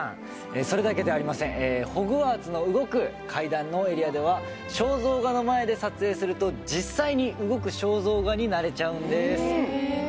それだけではありませんホグワーツの動く階段のエリアでは肖像画の前で撮影すると実際に動く肖像画になれちゃうんですへえ